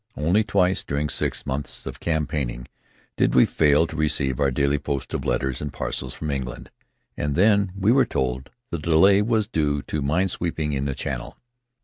Only twice, during six months of campaigning, did we fail to receive our daily post of letters and parcels from England, and then, we were told, the delay was due to mine sweeping in the Channel.)